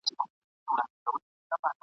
آزادي هلته نعمت وي د بلبلو !.